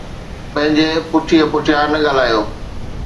پنهنجي پٺي پٺيان نه ڳالهايو